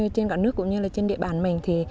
trên cả nước cũng như trên địa bàn